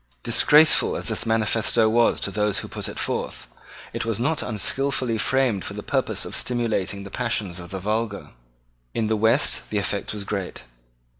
Disgraceful as this manifesto was to those who put it forth, it was not unskilfully framed for the purpose of stimulating the passions of the vulgar. In the West the effect was great.